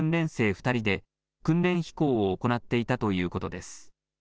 ２人で、訓練飛行を行っていたということです。